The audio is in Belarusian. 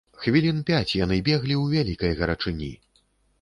Хвілін пяць яны беглі ў вялікай гарачыні.